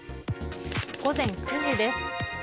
午前９時です。